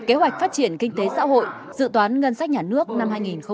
ủy viên ban kinh tế xã hội dự toán ngân sách nhà nước năm hai nghìn một mươi chín